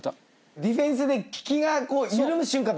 ディフェンスで気が緩む瞬間って